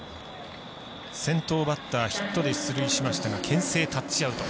先頭バッター、ヒットで出塁しましたがけん制タッチアウト。